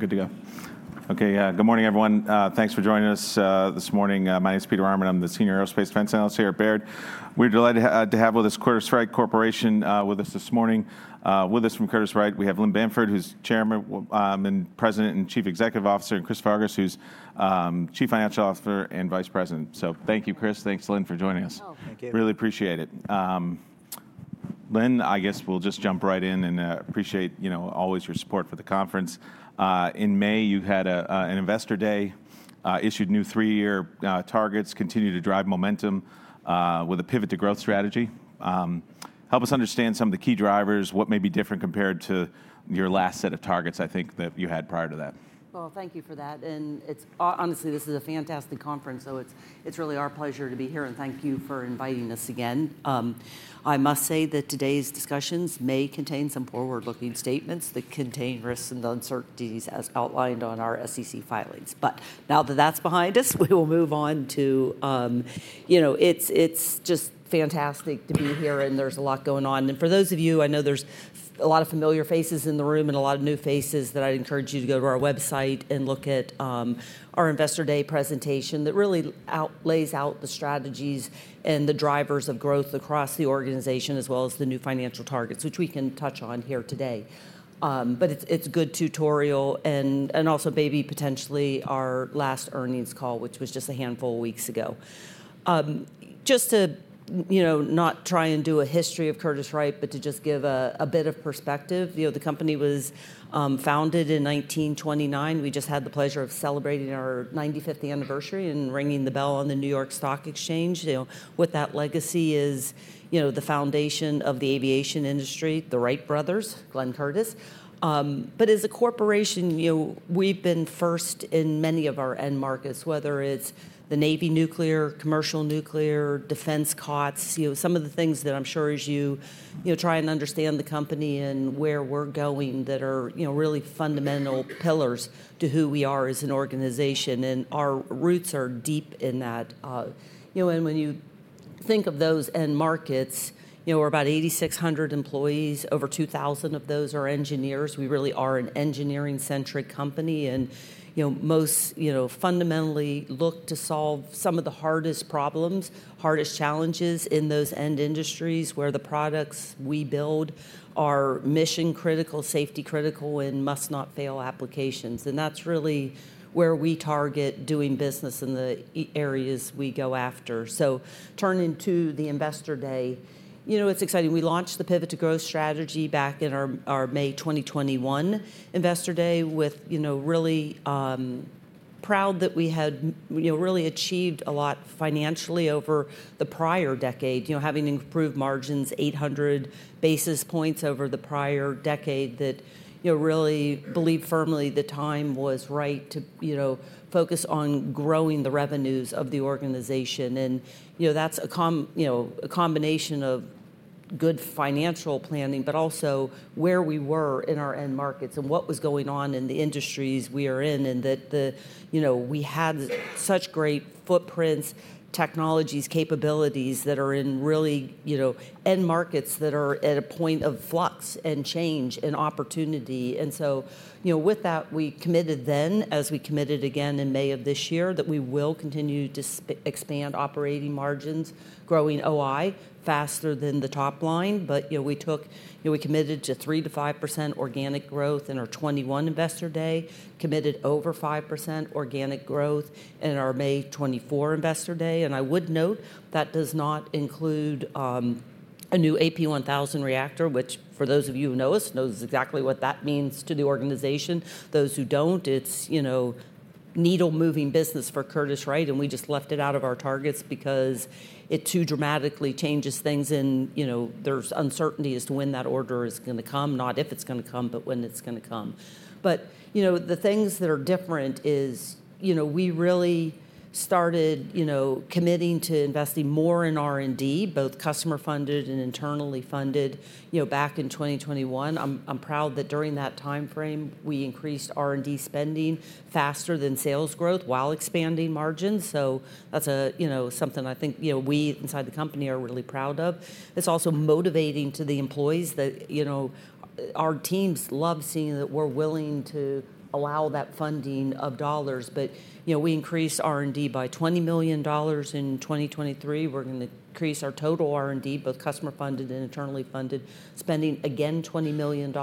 We're good to go. Okay, good morning, everyone. Thanks for joining us this morning. My name is Peter Arment. I'm the Senior Aerospace Defense Analyst here at Baird. We're delighted to have with us Curtiss-Wright Corporation with us this morning. With us from Curtiss-Wright, we have Lynn Bamford, who's Chairman and President and Chief Executive Officer, and Chris Farkas, who's Chief Financial Officer and Vice President. So thank you, Chris. Thanks, Lynn, for joining us. Oh, thank you. Really appreciate it. Lynn, I guess we'll just jump right in and appreciate, you know, always your support for the conference. In May, you had an Investor Day, issued new three-year targets, continued to drive momentum with a Pivot to Growth strategy. Help us understand some of the key drivers, what may be different compared to your last set of targets, I think, that you had prior to that? Well, thank you for that. And it's honestly, this is a fantastic conference, so it's really our pleasure to be here. And thank you for inviting us again. I must say that today's discussions may contain some forward-looking statements that contain risks and uncertainties as outlined on our SEC filings. But now that that's behind us, we will move on to, you know, it's just fantastic to be here, and there's a lot going on. And for those of you, I know there's a lot of familiar faces in the room and a lot of new faces that I'd encourage you to go to our website and look at our Investor Day presentation that really lays out the strategies and the drivers of growth across the organization, as well as the new financial targets, which we can touch on here today. But it's a good tutorial. And also, maybe potentially our last earnings call, which was just a handful of weeks ago. Just to, you know, not try and do a history of Curtiss-Wright, but to just give a bit of perspective. You know, the company was founded in 1929. We just had the pleasure of celebrating our 95th anniversary and ringing the bell on the New York Stock Exchange. You know, with that legacy is, you know, the foundation of the aviation industry, the Wright brothers, Glenn Curtiss. But as a corporation, you know, we've been first in many of our end markets, whether it's the Navy nuclear, commercial nuclear, defense COTS. You know, some of the things that I'm sure as you, you know, try and understand the company and where we're going that are, you know, really fundamental pillars to who we are as an organization. And our roots are deep in that. You know, and when you think of those end markets, you know, we're about 8,600 employees. Over 2,000 of those are engineers. We really are an engineering-centric company. And, you know, most, you know, fundamentally look to solve some of the hardest problems, hardest challenges in those end industries where the products we build are mission-critical, safety-critical, and must-not-fail applications. And that's really where we target doing business in the areas we go after. So turning to the Investor Day, you know, it's exciting. We launched the Pivot to Growth strategy back in our May 2021 Investor Day with, you know, really proud that we had, you know, really achieved a lot financially over the prior decade, you know, having improved margins, 800 basis points over the prior decade that, you know, really believed firmly the time was right to, you know, focus on growing the revenues of the organization. You know, that's a combination of good financial planning, but also where we were in our end markets and what was going on in the industries we are in and that the, you know, we had such great footprints, technologies, capabilities that are in really, you know, end markets that are at a point of flux and change and opportunity. So, you know, with that, we committed then, as we committed again in May of this year, that we will continue to expand operating margins, growing OI faster than the top line, but you know, we took, you know, we committed to 3%-5% organic growth in our 2021 Investor Day, committed over 5% organic growth in our May 2024 Investor Day. I would note that does not include a new AP1000 reactor, which for those of you who know us know exactly what that means to the organization. Those who don't, it's, you know, needle-moving business for Curtiss-Wright. And we just left it out of our targets because it too dramatically changes things in, you know, there's uncertainty as to when that order is going to come, not if it's going to come, but when it's going to come. But, you know, the things that are different is, you know, we really started, you know, committing to investing more in R&D, both customer-funded and internally funded, you know, back in 2021. I'm proud that during that timeframe, we increased R&D spending faster than sales growth while expanding margins. So that's a, you know, something I think, you know, we inside the company are really proud of. It's also motivating to the employees that, you know, our teams love seeing that we're willing to allow that funding of dollars, but you know, we increased R&D by $20 million in 2023. We're going to increase our total R&D, both customer-funded and internally funded, spending again $20 million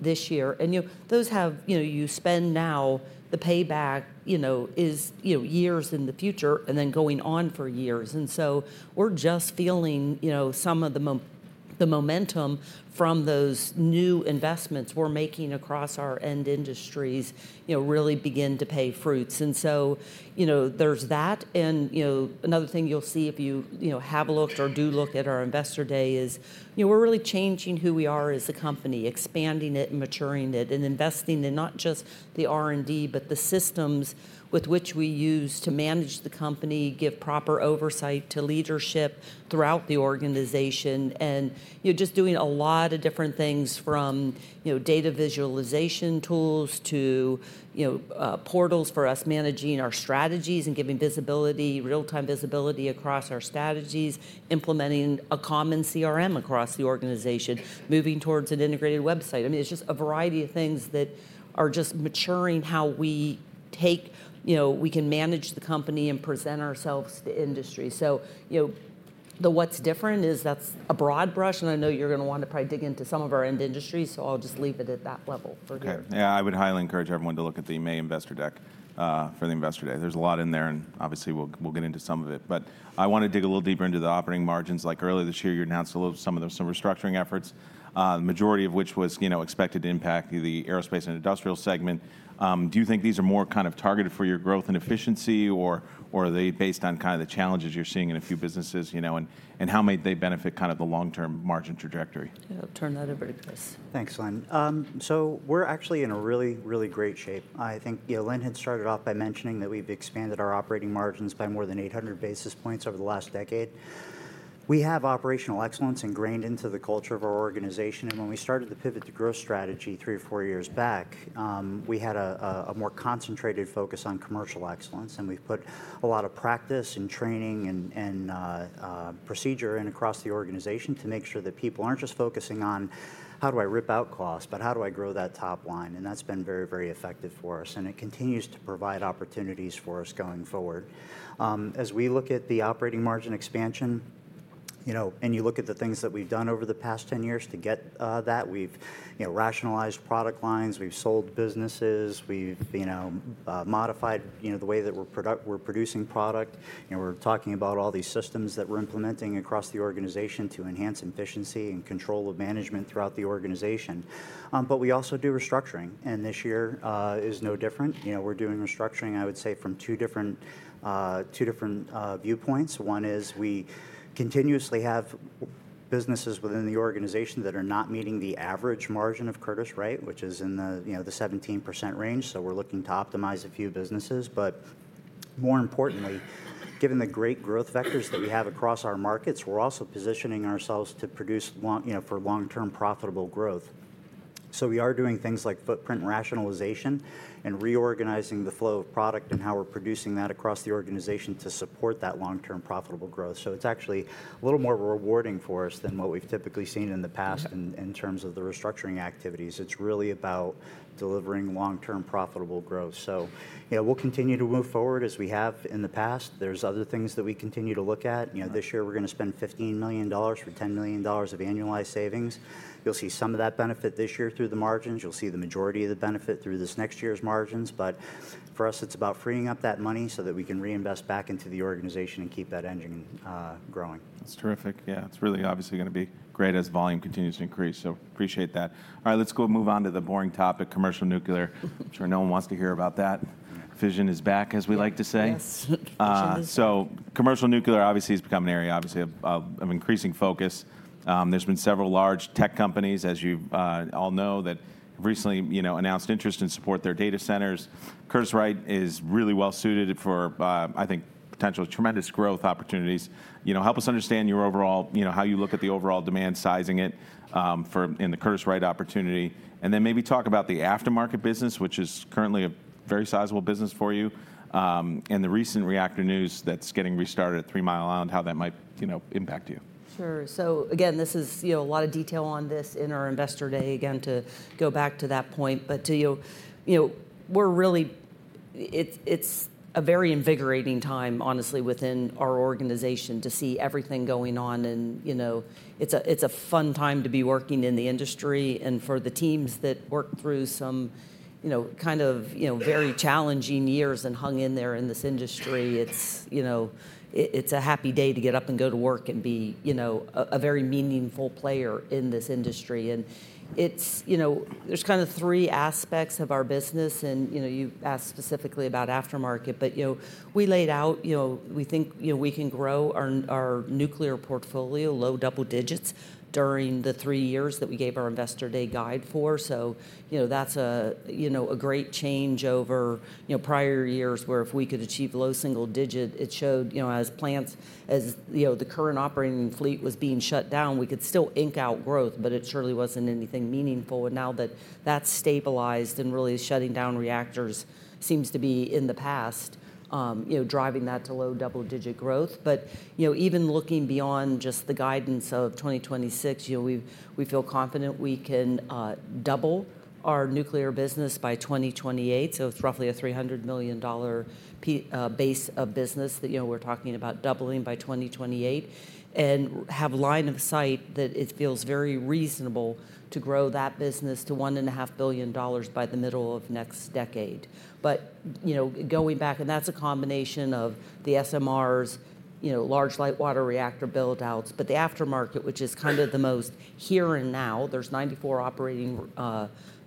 this year, and you know, those have, you know, you spend now, the payback, you know, is, you know, years in the future and then going on for years, and so we're just feeling, you know, some of the momentum from those new investments we're making across our end industries, you know, really begin to pay fruits, and so, you know, there's that. You know, another thing you'll see if you, you know, have a look or do look at our Investor Day is, you know, we're really changing who we are as a company, expanding it and maturing it and investing in not just the R&D, but the systems with which we use to manage the company, give proper oversight to leadership throughout the organization, and, you know, just doing a lot of different things from, you know, data visualization tools to, you know, portals for us managing our strategies and giving visibility, real-time visibility across our strategies, implementing a common CRM across the organization, moving towards an integrated website. I mean, it's just a variety of things that are just maturing how we take, you know, we can manage the company and present ourselves to industry. So, you know, the what's different is that's a broad brush. I know you're going to want to probably dig into some of our end industries, so I'll just leave it at that level for now. Okay. Yeah, I would highly encourage everyone to look at the May Investor Deck for the Investor Day. There's a lot in there, and obviously we'll get into some of it. But I want to dig a little deeper into the operating margins. Like earlier this year, you announced some of the restructuring efforts, the majority of which was, you know, expected to impact the Aerospace and Industrial segment. Do you think these are more kind of targeted for your growth and efficiency, or are they based on kind of the challenges you're seeing in a few businesses, you know, and how may they benefit kind of the long-term margin trajectory? I'll turn that over to Chris. Thanks, Lynn. So we're actually in a really, really great shape. I think, you know, Lynn had started off by mentioning that we've expanded our operating margins by more than 800 basis points over the last decade. We have operational excellence ingrained into the culture of our organization. And when we started the Pivot to Growth strategy three or four years back, we had a more concentrated focus on commercial excellence. And we've put a lot of practice and training and procedure in across the organization to make sure that people aren't just focusing on how do I rip out costs, but how do I grow that top line? And that's been very, very effective for us. And it continues to provide opportunities for us going forward. As we look at the operating margin expansion, you know, and you look at the things that we've done over the past 10 years to get that, we've, you know, rationalized product lines, we've sold businesses, we've, you know, modified, you know, the way that we're producing product. You know, we're talking about all these systems that we're implementing across the organization to enhance efficiency and control of management throughout the organization. But we also do restructuring. And this year is no different. You know, we're doing restructuring, I would say, from two different viewpoints. One is we continuously have businesses within the organization that are not meeting the average margin of Curtiss-Wright, which is in the, you know, the 17% range. So we're looking to optimize a few businesses. But more importantly, given the great growth vectors that we have across our markets, we're also positioning ourselves to produce, you know, for long-term profitable growth. So we are doing things like footprint rationalization and reorganizing the flow of product and how we're producing that across the organization to support that long-term profitable growth. So it's actually a little more rewarding for us than what we've typically seen in the past in terms of the restructuring activities. It's really about delivering long-term profitable growth. So, you know, we'll continue to move forward as we have in the past. There's other things that we continue to look at. You know, this year we're going to spend $15 million for $10 million of annualized savings. You'll see some of that benefit this year through the margins. You'll see the majority of the benefit through this next year's margins. But for us, it's about freeing up that money so that we can reinvest back into the organization and keep that engine growing. That's terrific. Yeah, it's really obviously going to be great as volume continues to increase. So appreciate that. All right, let's go move on to the boring topic, commercial nuclear. I'm sure no one wants to hear about that. Fission is back, as we like to say. Yes. So commercial nuclear obviously has become an area, obviously, of increasing focus. There's been several large tech companies, as you all know, that have recently, you know, announced interest in supporting their data centers. Curtiss-Wright is really well-suited for, I think, potential tremendous growth opportunities. You know, help us understand your overall, you know, how you look at the overall demand sizing it for in the Curtiss-Wright opportunity. And then maybe talk about the aftermarket business, which is currently a very sizable business for you, and the recent reactor news that's getting restarted at Three Mile Island, how that might, you know, impact you. Sure. So again, this is, you know, a lot of detail on this in our Investor Day, again, to go back to that point. But to, you know, you know, we're really, it's a very invigorating time, honestly, within our organization to see everything going on. And, you know, it's a fun time to be working in the industry. And for the teams that work through some, you know, kind of, you know, very challenging years and hung in there in this industry, it's, you know, it's a happy day to get up and go to work and be, you know, a very meaningful player in this industry. And it's, you know, there's kind of three aspects of our business. And, you know, you asked specifically about aftermarket, but, you know, we laid out, you know, we think, you know, we can grow our nuclear portfolio low double digits during the three years that we gave our Investor Day guidance for. So, you know, that's, you know, a great change over, you know, prior years where if we could achieve low single digit, it showed, you know, as plants, you know, the current operating fleet was being shut down, we could still eke out growth, but it surely wasn't anything meaningful. And now that that's stabilized and really shutting down reactors seems to be in the past, you know, driving that to low double digit growth. But, you know, even looking beyond just the guidance of 2026, you know, we feel confident we can double our nuclear business by 2028. It's roughly a $300 million base of business that, you know, we're talking about doubling by 2028 and have a line of sight that it feels very reasonable to grow that business to $1.5 billion by the middle of next decade, but you know, going back, and that's a combination of the SMRs, you know, large light water reactor buildouts, but the aftermarket, which is kind of the most here and now. There's 94 operating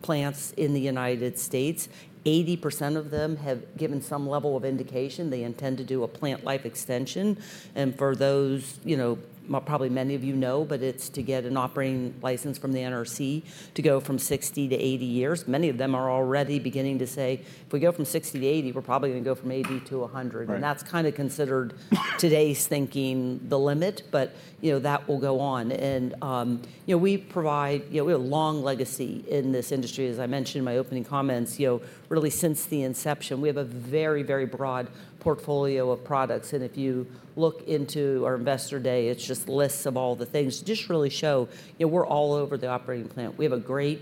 plants in the United States. 80% of them have given some level of indication they intend to do a plant life extension, and for those, you know, probably many of you know, but it's to get an operating license from the NRC to go from 60 to 80 years. Many of them are already beginning to say, if we go from 60 to 80, we're probably going to go from 80 to 100. That's kind of considered today's thinking the limit, but, you know, that will go on. You know, we provide, you know, we have a long legacy in this industry. As I mentioned in my opening comments, you know, really since the inception, we have a very, very broad portfolio of products. If you look into our Investor Day, it's just lists of all the things just really show, you know, we're all over the operating plant. We have a great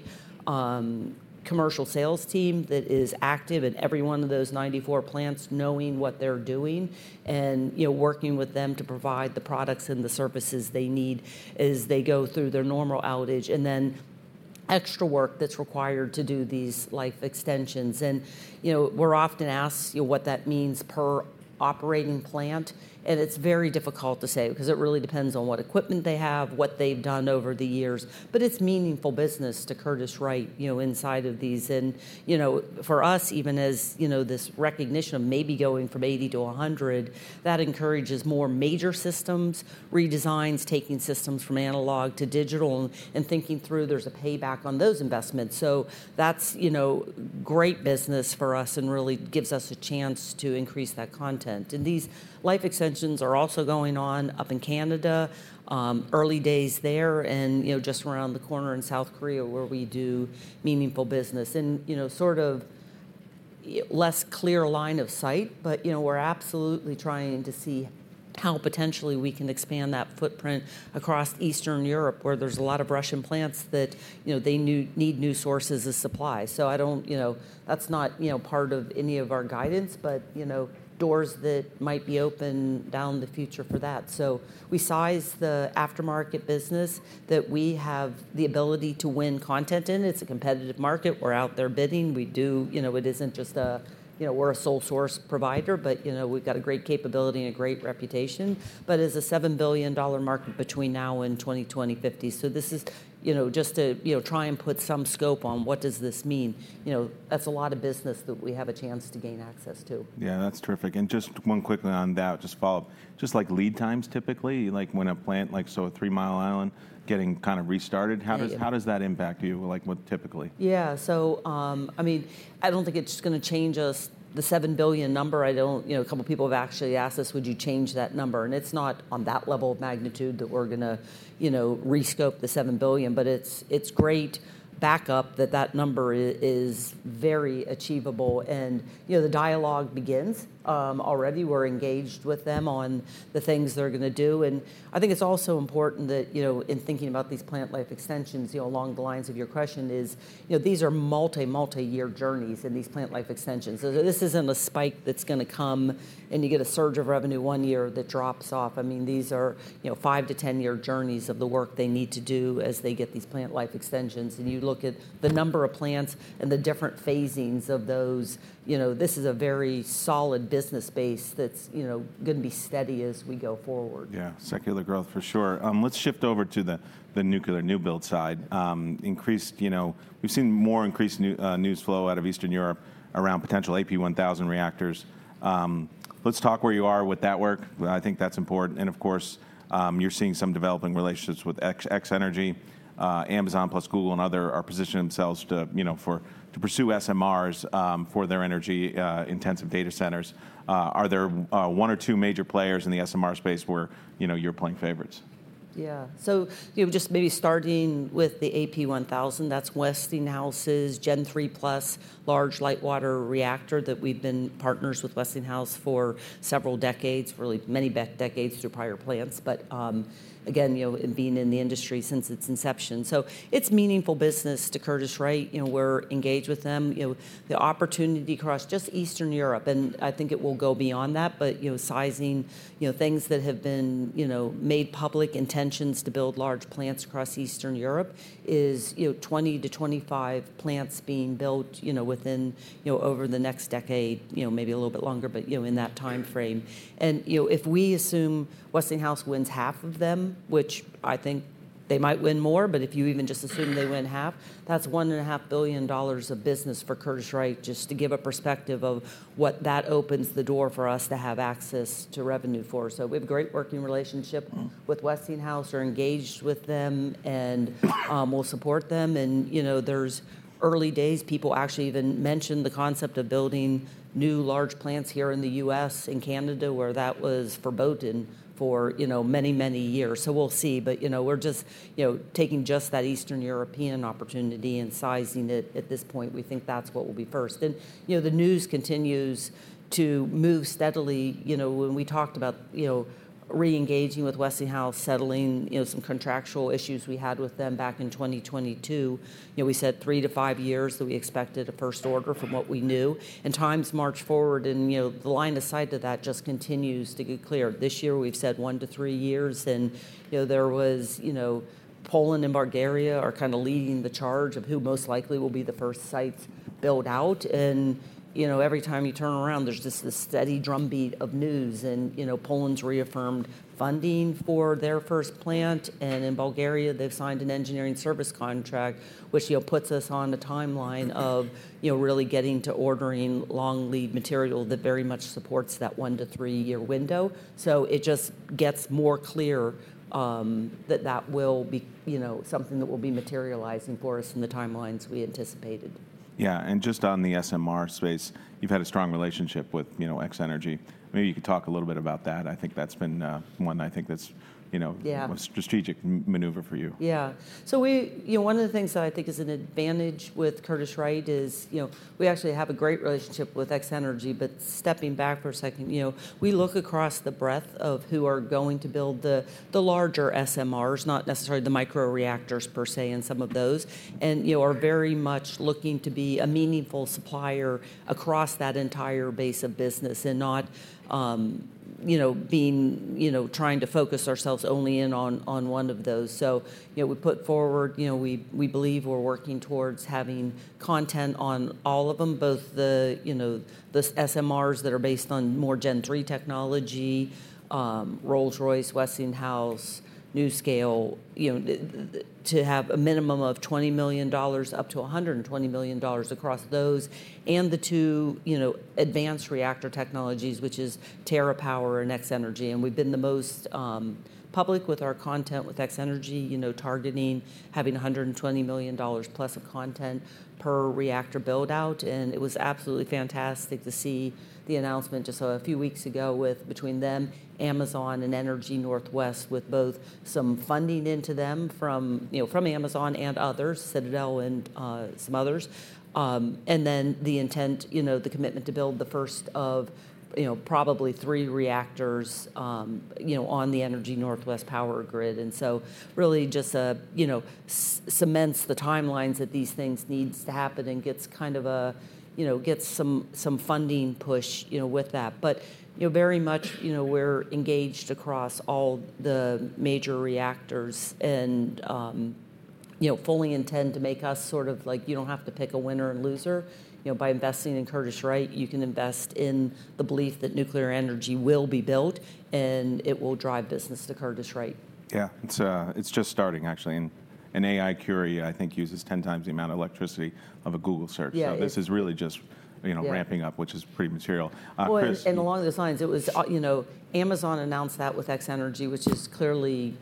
commercial sales team that is active in every one of those 94 plants knowing what they're doing and, you know, working with them to provide the products and the services they need as they go through their normal outage and then extra work that's required to do these life extensions. You know, we're often asked, you know, what that means per operating plant. It's very difficult to say because it really depends on what equipment they have, what they've done over the years, but it's meaningful business to Curtiss-Wright, you know, inside of these, and for us, even as, you know, this recognition of maybe going from 80-100, that encourages more major systems, redesigns, taking systems from analog to digital and thinking through there's a payback on those investments, so that's, you know, great business for us and really gives us a chance to increase that content, and these life extensions are also going on up in Canada, early days there, and, you know, just around the corner in South Korea where we do meaningful business. And, you know, sort of less clear line of sight, but, you know, we're absolutely trying to see how potentially we can expand that footprint across Eastern Europe where there's a lot of Russian plants that, you know, they need new sources of supply. So I don't, you know, that's not, you know, part of any of our guidance, but, you know, doors that might be open in the future for that. So we size the aftermarket business that we have the ability to win content in. It's a competitive market. We're out there bidding. We do, you know, it isn't just a, you know, we're a sole source provider, but, you know, we've got a great capability and a great reputation, but it's a $7 billion market between now and 2050. So this is, you know, just to, you know, try and put some scope on what does this mean. You know, that's a lot of business that we have a chance to gain access to. Yeah, that's terrific. And just one quick one on that, just follow up, just like lead times typically, like when a plant, like so Three Mile Island getting kind of restarted, how does that impact you? Like what typically? Yeah. So, I mean, I don't think it's just going to change us the $7 billion number. I don't, you know, a couple of people have actually asked us, would you change that number? And it's not on that level of magnitude that we're going to, you know, rescope the $7 billion, but it's great backup that that number is very achievable. And, you know, the dialogue begins already. We're engaged with them on the things they're going to do. And I think it's also important that, you know, in thinking about these plant life extensions, you know, along the lines of your question is, you know, these are multi, multi-year journeys in these plant life extensions. So this isn't a spike that's going to come and you get a surge of revenue one year that drops off. I mean, these are, you know, five-to-ten-year journeys of the work they need to do as they get these plant life extensions, and you look at the number of plants and the different phasings of those, you know, this is a very solid business base that's, you know, going to be steady as we go forward. Yeah, secular growth for sure. Let's shift over to the nuclear new build side. You know, we've seen more increased news flow out of Eastern Europe around potential AP1000 reactors. Let's talk where you are with that work. I think that's important. And of course, you're seeing some developing relationships with X-energy. Amazon plus Google and others are positioning themselves to, you know, for to pursue SMRs for their energy-intensive data centers. Are there one or two major players in the SMR space where, you know, you're playing favorites? Yeah. So, you know, just maybe starting with the AP1000, that's Westinghouse's Gen III+ large light water reactor that we've been partners with Westinghouse for several decades, really many decades through prior plants. But again, you know, being in the industry since its inception, so it's meaningful business to Curtiss-Wright. You know, we're engaged with them. You know, the opportunity across just Eastern Europe, and I think it will go beyond that. But, you know, sizing, you know, things that have been, you know, made public intentions to build large plants across Eastern Europe is, you know, 20-25 plants being built, you know, within, you know, over the next decade, you know, maybe a little bit longer, but, you know, in that timeframe. You know, if we assume Westinghouse wins half of them, which I think they might win more, but if you even just assume they win half, that's $1.5 billion of business for Curtiss-Wright just to give a perspective of what that opens the door for us to have access to revenue for. So we have a great working relationship with Westinghouse. We're engaged with them and we'll support them. And, you know, there's early days, people actually even mentioned the concept of building new large plants here in the U.S. and Canada where that was forbidden for, you know, many, many years. So we'll see. But, you know, we're just, you know, taking just that Eastern European opportunity and sizing it at this point. We think that's what will be first. And, you know, the news continues to move steadily. You know, when we talked about, you know, re-engaging with Westinghouse, settling, you know, some contractual issues we had with them back in 2022, you know, we said three to five years that we expected a first order from what we knew. Times march forward and, you know, the line of sight of that just continues to get clear. This year we've said one to three years, and, you know, Poland and Bulgaria are kind of leading the charge of who most likely will be the first site built out. You know, every time you turn around, there's just this steady drumbeat of news. You know, Poland's reaffirmed funding for their first plant. In Bulgaria, they've signed an engineering service contract, which, you know, puts us on a timeline of, you know, really getting to ordering long lead material that very much supports that one to three-year window. It just gets more clear that that will be, you know, something that will be materializing for us in the timelines we anticipated. Yeah. And just on the SMR space, you've had a strong relationship with, you know, X-energy. Maybe you could talk a little bit about that. I think that's been one, I think that's, you know, a strategic maneuver for you. Yeah. So we, you know, one of the things that I think is an advantage with Curtiss-Wright is, you know, we actually have a great relationship with X-energy, but stepping back for a second, you know, we look across the breadth of who are going to build the larger SMRs, not necessarily the micro reactors per se in some of those, and, you know, are very much looking to be a meaningful supplier across that entire base of business and not, you know, being, you know, trying to focus ourselves only in on one of those. So you know, we put forward, you know, we believe we're working towards having content on all of them, both the, you know, the SMRs that are based on more Gen III technology, Rolls-Royce, Westinghouse, NuScale, you know, to have a minimum of $20 million up to $120 million across those and the two, you know, advanced reactor technologies, which is TerraPower and X-energy. We have been the most public with our content with X-energy, you know, targeting having $120 million plus of content per reactor buildout. It was absolutely fantastic to see the announcement just a few weeks ago with between them, Amazon and Energy Northwest with both some funding into them from, you know, from Amazon and others, Citadel and some others. And then the intent, you know, the commitment to build the first of, you know, probably three reactors, you know, on the Energy Northwest power grid. And so really just a, you know, cements the timelines that these things need to happen and gets kind of a, you know, gets some funding push, you know, with that. But, you know, very much, you know, we're engaged across all the major reactors and, you know, fully intend to make us sort of like, you don't have to pick a winner and loser, you know, by investing in Curtiss-Wright, you can invest in the belief that nuclear energy will be built and it will drive business to Curtiss-Wright. Yeah. It's just starting actually. And an AI query I think uses 10 times the amount of electricity of a Google search. So this is really just, you know, ramping up, which is pretty material. Along those lines, it was, you know, Amazon announced that with X-energy, which is clearly,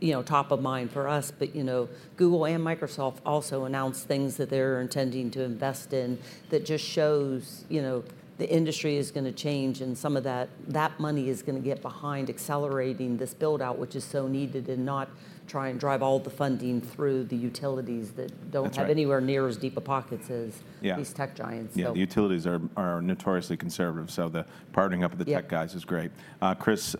you know, top of mind for us. But, you know, Google and Microsoft also announced things that they're intending to invest in that just shows, you know, the industry is going to change and some of that, that money is going to get behind accelerating this buildout, which is so needed and not try and drive all the funding through the utilities that don't have anywhere near as deep of pockets as these tech giants. Yeah. The utilities are notoriously conservative. So the partnering up with the tech guys is great. Chris,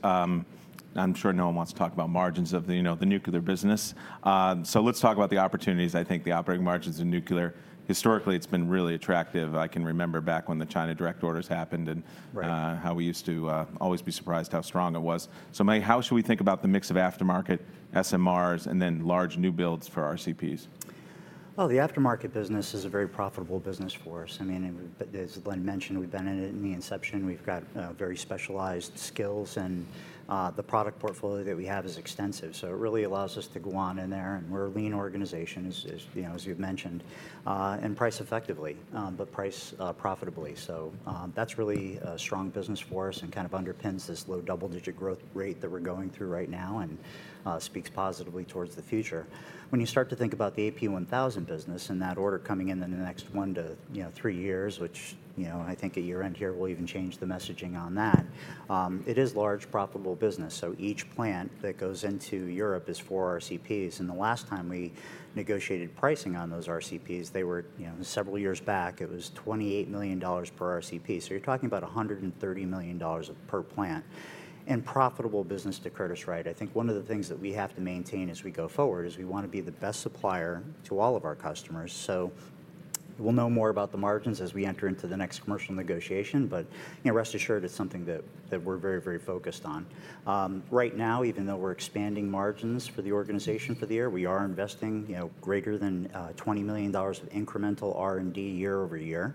I'm sure no one wants to talk about margins of the, you know, the nuclear business. So let's talk about the opportunities. I think the operating margins in nuclear, historically, it's been really attractive. I can remember back when the China direct orders happened and how we used to always be surprised how strong it was. So how should we think about the mix of aftermarket SMRs and then large new builds for RCPs? The aftermarket business is a very profitable business for us. I mean, as Lynn mentioned, we've been in it since the inception. We've got very specialized skills and the product portfolio that we have is extensive, so it really allows us to go on in there and we're a lean organization, as you've mentioned, and price effectively, but price profitably, so that's really a strong business for us and kind of underpins this low double-digit growth rate that we're going through right now and speaks positively towards the future. When you start to think about the AP1000 business and that order coming in in the next one to three years, which, you know, I think year-end here will even change the messaging on that, it is large, profitable business, so each plant that goes into Europe is four RCPs. And the last time we negotiated pricing on those RCPs, they were, you know, several years back, it was $28 million per RCP. So you're talking about $130 million per plant and profitable business to Curtiss-Wright. I think one of the things that we have to maintain as we go forward is we want to be the best supplier to all of our customers. So we'll know more about the margins as we enter into the next commercial negotiation. But, you know, rest assured it's something that we're very, very focused on. Right now, even though we're expanding margins for the organization for the year, we are investing, you know, greater than $20 million of incremental R&D year over year.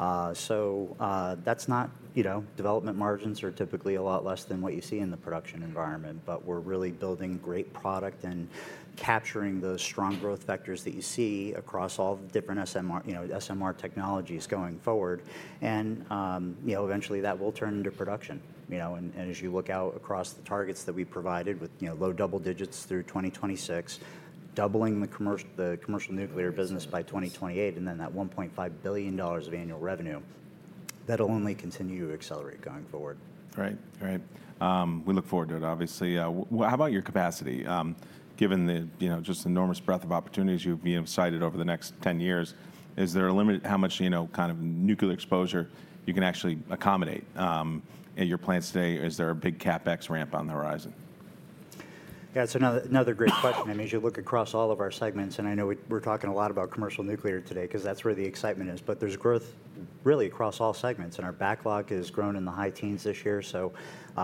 That's not, you know, development margins are typically a lot less than what you see in the production environment, but we're really building great product and capturing those strong growth vectors that you see across all the different, you know, SMR technologies going forward. You know, eventually that will turn into production, you know, and as you look out across the targets that we provided with, you know, low double digits through 2026, doubling the commercial nuclear business by 2028 and then that $1.5 billion of annual revenue, that'll only continue to accelerate going forward. Right. Right. We look forward to it, obviously. How about your capacity? Given the, you know, just enormous breadth of opportunities you've cited over the next 10 years, is there a limited how much, you know, kind of nuclear exposure you can actually accommodate at your plants today? Is there a big CapEx ramp on the horizon? Yeah. It's another great question. I mean, as you look across all of our segments, and I know we're talking a lot about commercial nuclear today because that's where the excitement is, but there's growth really across all segments and our backlog has grown in the high teens this year. So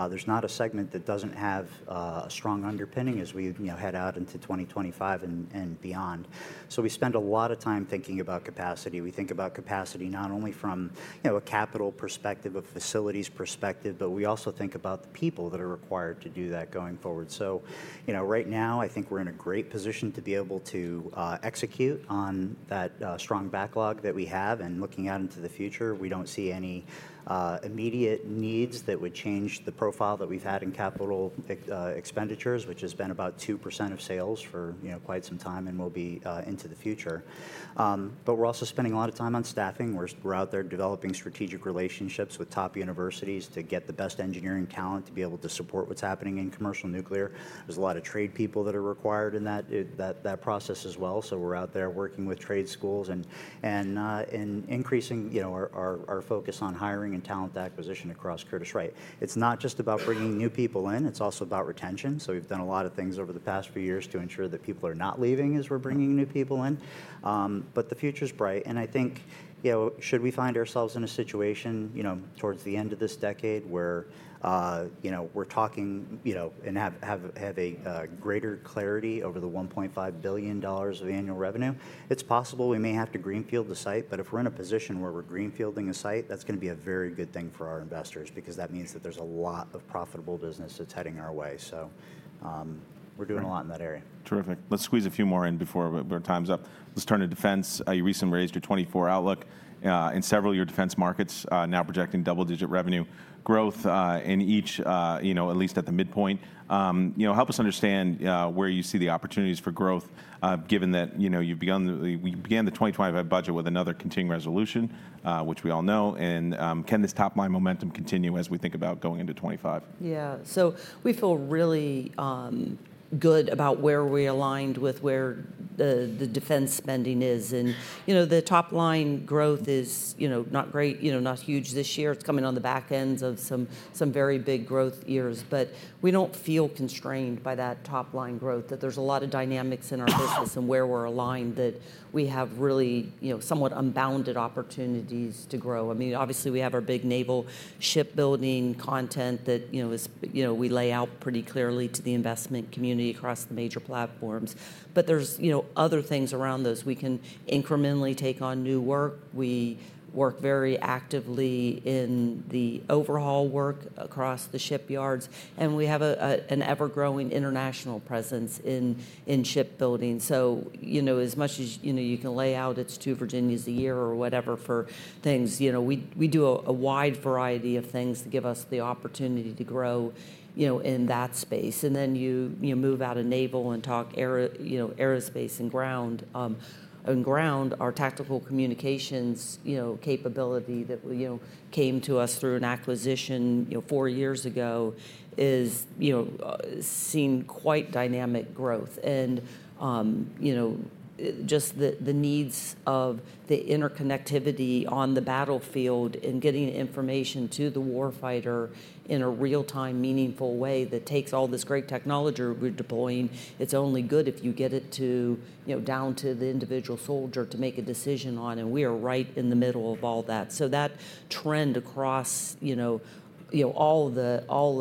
there's not a segment that doesn't have a strong underpinning as we, you know, head out into 2025 and beyond. So we spend a lot of time thinking about capacity. We think about capacity not only from, you know, a capital perspective, a facilities perspective, but we also think about the people that are required to do that going forward. So, you know, right now I think we're in a great position to be able to execute on that strong backlog that we have, and looking out into the future, we don't see any immediate needs that would change the profile that we've had in capital expenditures, which has been about 2% of sales for, you know, quite some time and will be into the future. But we're also spending a lot of time on staffing. We're out there developing strategic relationships with top universities to get the best engineering talent to be able to support what's happening in commercial nuclear. There's a lot of trade people that are required in that process as well. So we're out there working with trade schools and increasing, you know, our focus on hiring and talent acquisition across Curtiss-Wright. It's not just about bringing new people in, it's also about retention. We've done a lot of things over the past few years to ensure that people are not leaving as we're bringing new people in. The future's bright. I think, you know, should we find ourselves in a situation, you know, towards the end of this decade where, you know, we're talking, you know, and have a greater clarity over the $1.5 billion of annual revenue, it's possible we may have to greenfield the site. If we're in a position where we're greenfielding a site, that's going to be a very good thing for our investors because that means that there's a lot of profitable business that's heading our way. We're doing a lot in that area. Terrific. Let's squeeze a few more in before time's up. Let's turn to defense. You recently raised your 2024 outlook in several of your defense markets, now projecting double-digit revenue growth in each, you know, at least at the midpoint. You know, help us understand where you see the opportunities for growth given that, you know, you began the 2025 budget with another Continuing Resolution, which we all know. And can this top-line momentum continue as we think about going into 2025? Yeah. So we feel really good about where we aligned with where the defense spending is. And, you know, the top-line growth is, you know, not great, you know, not huge this year. It's coming on the back ends of some very big growth years. But we don't feel constrained by that top-line growth, that there's a lot of dynamics in our business and where we're aligned that we have really, you know, somewhat unbounded opportunities to grow. I mean, obviously we have our big naval shipbuilding content that, you know, we lay out pretty clearly to the investment community across the major platforms. But there's, you know, other things around those. We can incrementally take on new work. We work very actively in the overhaul work across the shipyards. And we have an ever-growing international presence in shipbuilding. So, you know, as much as, you know, you can lay out, it's two Virginias a year or whatever for things, you know, we do a wide variety of things to give us the opportunity to grow, you know, in that space. And then you move out of naval and talk, you know, aerospace and ground. And ground, our tactical communications, you know, capability that, you know, came to us through an acquisition, you know, four years ago is, you know, seeing quite dynamic growth. And, you know, just the needs of the interconnectivity on the battlefield and getting information to the warfighter in a real-time meaningful way that takes all this great technology we're deploying, it's only good if you get it to, you know, down to the individual soldier to make a decision on. And we are right in the middle of all that. So that trend across, you know, all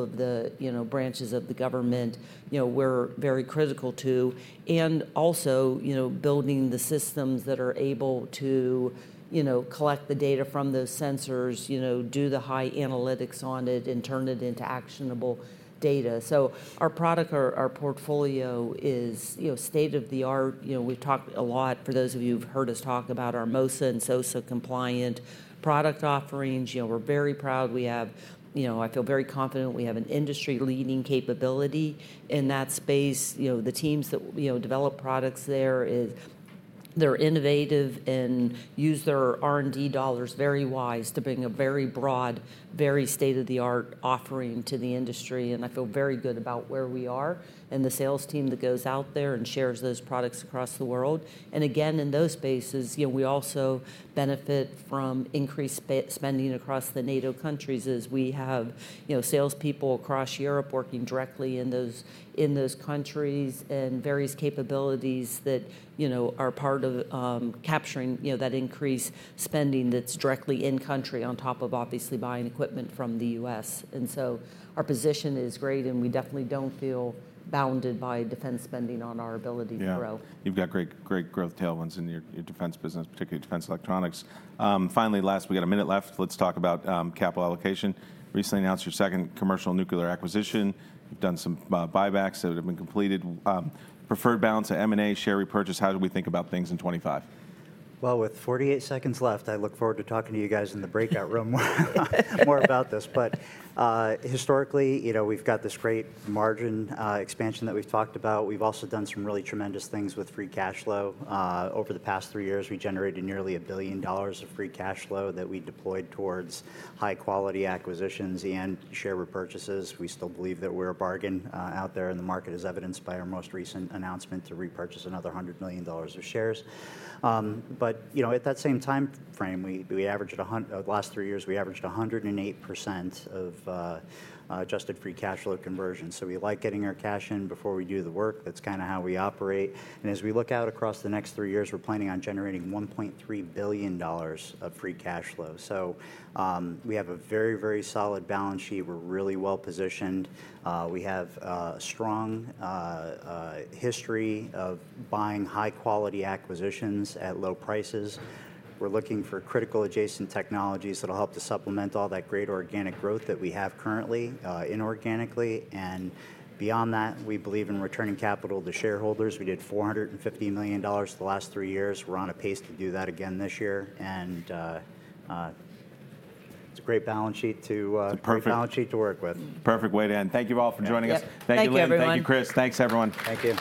of the, you know, branches of the government, you know, we're very critical to. And also, you know, building the systems that are able to, you know, collect the data from those sensors, you know, do the high analytics on it and turn it into actionable data. So our product, our portfolio is, you know, state-of-the-art. You know, we've talked a lot, for those of you who've heard us talk about our MOSA and SOSA compliant product offerings. You know, we're very proud. We have, you know, I feel very confident we have an industry-leading capability in that space. You know, the teams that, you know, develop products there are innovative and use their R&D dollars very wise to bring a very broad, very state-of-the-art offering to the industry. I feel very good about where we are and the sales team that goes out there and shares those products across the world, and again, in those spaces, you know, we also benefit from increased spending across the NATO countries as we have, you know, salespeople across Europe working directly in those countries and various capabilities that, you know, are part of capturing, you know, that increased spending that's directly in-country on top of obviously buying equipment from the U.S., and so our position is great and we definitely don't feel bounded by defense spending on our ability to grow. Yeah. You've got great growth tailwinds in your defense business, particularly defense electronics. Finally, last, we got a minute left. Let's talk about capital allocation. Recently announced your second commercial nuclear acquisition. You've done some buybacks that have been completed. Preferred balance to M&A, share repurchase. How do we think about things in 2025? With 48 seconds left, I look forward to talking to you guys in the breakout room more about this. Historically, you know, we've got this great margin expansion that we've talked about. We've also done some really tremendous things with free cash flow. Over the past three years, we generated nearly $1 billion of free cash flow that we deployed towards high-quality acquisitions and share repurchases. We still believe that we're a bargain out there in the market, as evidenced by our most recent announcement to repurchase another $100 million of shares. At that same time frame, we averaged the last three years 108% of adjusted free cash flow conversion. We like getting our cash in before we do the work. That's kind of how we operate. And as we look out across the next three years, we're planning on generating $1.3 billion of free cash flow. So we have a very, very solid balance sheet. We're really well positioned. We have a strong history of buying high-quality acquisitions at low prices. We're looking for critical adjacent technologies that'll help to supplement all that great organic growth that we have currently inorganically. And beyond that, we believe in returning capital to shareholders. We did $450 million the last three years. We're on a pace to do that again this year. And it's a great balance sheet to work with. Perfect. Perfect way to end. Thank you all for joining us. Thank you, everyone. Thank you, Chris. Thanks, everyone. Thank you.